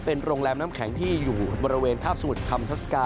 เป็นโรงแรมน้ำแข็งที่อยู่บริเวณคาบสมุทรคำทัศกา